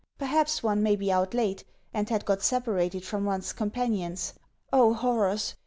Perhaps one may be out late, and had got separated from one's companions. Oh horrors!